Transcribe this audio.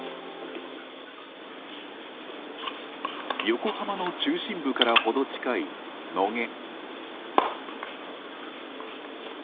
横浜の中心部から程近い野毛。